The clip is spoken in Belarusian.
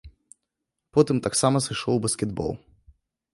Потым таксама сышоў у баскетбол.